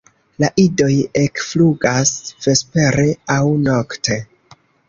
La idoj ekflugas vespere aŭ nokte.